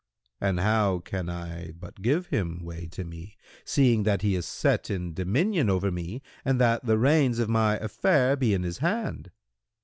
Q "And how can I but give him way to me, seeing that he is set in dominion over me and that the reins of my affair be in his hand?"